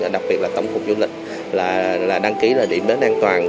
đặc biệt là tổng cục du lịch là đăng ký là điểm đáng toàn